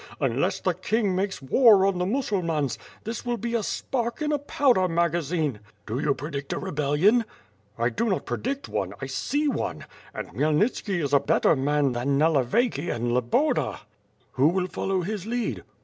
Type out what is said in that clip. Unless the King makes war on the Musulmans, this will be a spark in a pow der magazine." "Do you predict a rebellion?" "I do not predict one, I see one, and Khmyelnitski is a better man than Nalevayki and Loboda." '*Who will follow his lead?"